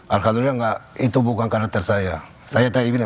alhamdulillah itu bukan karakter saya